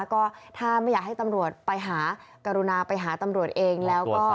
ก็ถ้าไม่อยากให้ตำรวจไปหากรุณาไปหาตำรวจเองแล้วก็